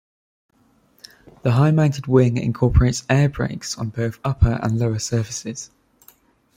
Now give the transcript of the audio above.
The high-mounted wing incorporates air brakes on both upper and lower surfaces.